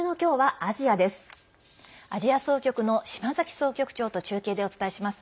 アジア総局の島崎総局長と中継でお伝えします。